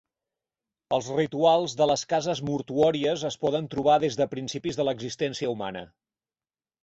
Els rituals de les cases mortuòries es poden trobar des de principis de l'existència humana.